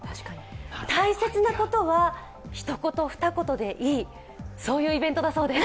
大切なことはひと言、ふた言でいいそういうイベントだそうです。